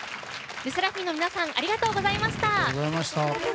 ＬＥＳＳＥＲＡＦＩＭの皆さんありがとうございました。